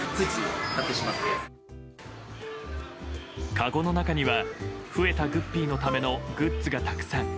かごの中には増えたグッピーのためのグッズがたくさん。